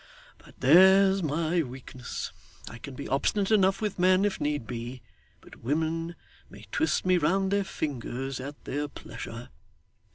But there's my weakness. I can be obstinate enough with men if need be, but women may twist me round their fingers at their pleasure.